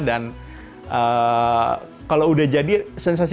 dan kalau udah jadi saya lebih senang yang manual